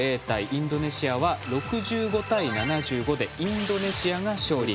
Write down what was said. インドネシアは６５対７５でインドネシアが勝利。